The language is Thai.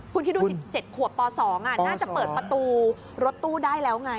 คุณคิดดูสิ๗ขวบป๒น่าจะเปิดประตูรถตู้ได้แล้วไง